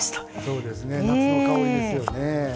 そうですね夏の香りですよね。